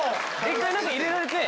一回何か入れられて。